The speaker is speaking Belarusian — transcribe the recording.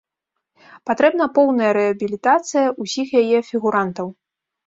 Патрэбна поўная рэабілітацыя ўсіх яе фігурантаў.